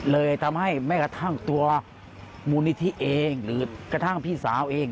เลยทำให้แม้กระทั่งตัวมูลนิธิเองหรือกระทั่งพี่สาวเอง